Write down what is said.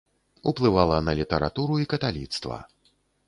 Уплывала на літаратуру і каталіцтва.